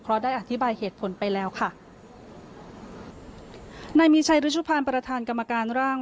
เพราะได้อธิบายเหตุผลไปแล้วค่ะนายมีชัยรุชุพันธ์ประธานกรรมการร่าง